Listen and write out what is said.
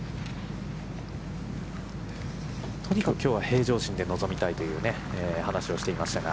とにかくきょうは平常心で臨みたいという話をしていましたが。